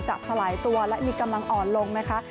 สลายตัวและมีกำลังอ่อนลงนะคะ